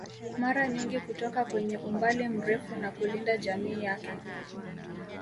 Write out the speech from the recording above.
Mara nyingi kutoka kwenye umbali mrefu na kulinda jamii yake